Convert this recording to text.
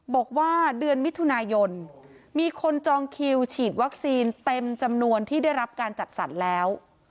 บอกว่าเดือนมิถุนายนมีคนจองคิวฉีดวัคซีนเต็มจำนวนที่ได้รับการจัดสรรแล้ว